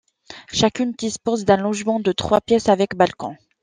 Chacune dispose d'un logement de trois pièces avec balcon.